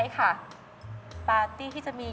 คิมมี่